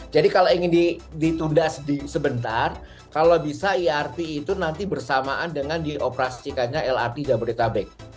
jadi kalau ingin ditudas sebentar kalau bisa irp itu nanti bersamaan dengan dioperasikannya lrt jabodetabek